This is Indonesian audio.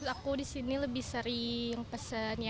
aku disini lebih sering pesennya